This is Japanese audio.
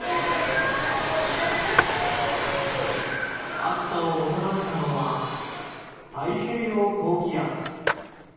暑さをもたらしたのは太平洋高気圧。